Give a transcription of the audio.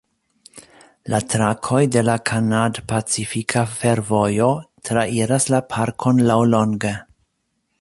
La trakoj de la Kanad-Pacifika Fervojo trairas la parkon laŭlonge.